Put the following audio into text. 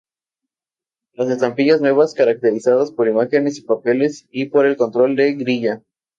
Las estampillas nuevas caracterizadas por imágenes y papeles, y por el control de grilla.